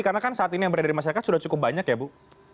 karena kan saat ini yang berada di masyarakat sudah cukup banyak ya bu